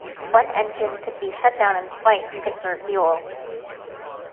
One engine could be shut down in flight to conserve fuel.